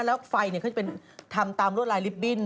แล้วไฟเขาจะเป็นทำตามรวดลายลิฟตบิ้น